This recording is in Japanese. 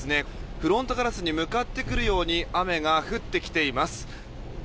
フロントガラスに向かってくるように雨が降ってきています。